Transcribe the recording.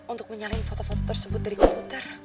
untuk menyaring foto foto tersebut dari komputer